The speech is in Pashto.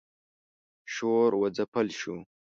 شور و ځپل شو.